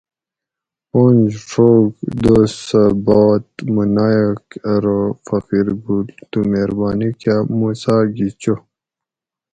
پنج ڛوگ دوسہ باد مو نایٔک ارو فقیر گل تو مہربانی کا موسیٰ گی چو